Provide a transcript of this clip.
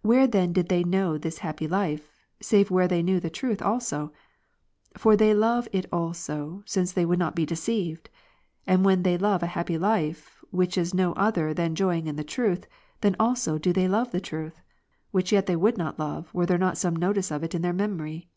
Where then did they know this happy life, save where they knew the truth also ? For they love it also, since they would not be deceived. And when they love a happy " life, which is no other than joying in the truth, then also do they love the truth ; which yet they would not love, were there not some notice of it in their memory.